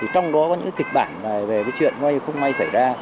trong đó có những kịch bản về chuyện không may xảy ra